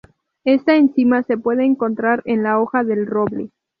Esta enzima se puede encontrar en la hoja del roble.